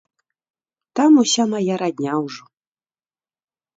Там уся мая радня ўжо.